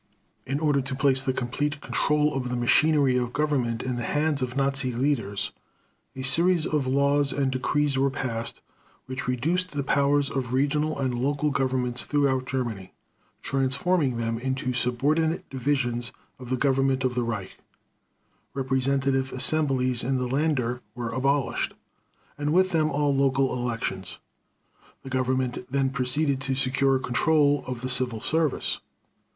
In order to place the complete control of the machinery of Government in the hands of the Nazi leaders, a series of laws and decrees were passed which reduced the powers of regional and local governments throughout Germany, transforming them into subordinate divisions of the Government of the Reich. Representative assemblies in the Laender were abolished, and with them all local elections. The Government then proceeded to secure control of the Civil Service.